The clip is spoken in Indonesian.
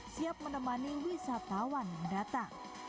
siap menemani wisatawan yang datang